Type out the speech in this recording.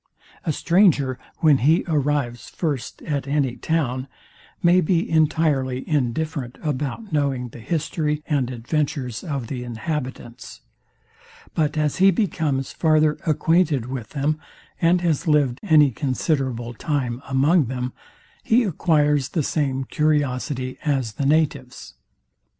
A stranger, when he arrives first at any town, may be entirely indifferent about knowing the history and adventures of the inhabitants; but as he becomes farther acquainted with them, and has lived any considerable time among them, he acquires the same curiosity as the natives.